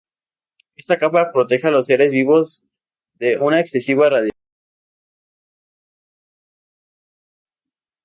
Esta capa protege a los seres vivos de una excesiva radiación ultravioleta.